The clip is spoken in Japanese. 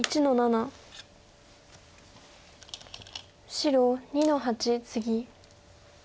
白２の八ツギ。